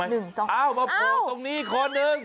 อ้าวตรงนี้ตรงนี้คนหนึ่งอ้าว